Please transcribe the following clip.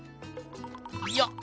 よっ！